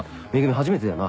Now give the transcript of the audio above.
初めてだよな？